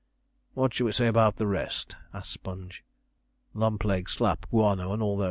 "' 'What shall we say about the rest?' asked Sponge; 'Lumpleg, Slapp, Guano, and all those?'